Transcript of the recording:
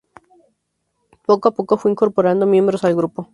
Poco a poco fue incorporando miembros al grupo.